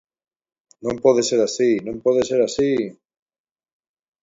Non pode ser así, non pode ser así.